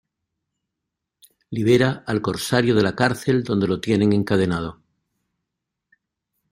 Libera al corsario de la cárcel donde lo tienen encadenado.